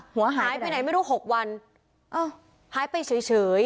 หัวหายไปไหน๖วันอ้อหายไปเฉย